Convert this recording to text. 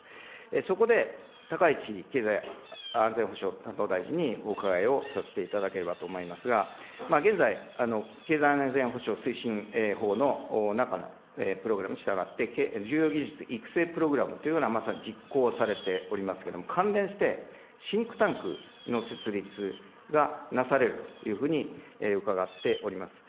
そこで、高市経済安全保障担当大臣にお伺いをさせていただければと思いますが、現在、経済安全保障推進法の中のプログラムに従って重要技術育成プログラムというのがまさに実行されておりますけれども、関連して、シンクタンクの設立がなされるというふうに伺っております。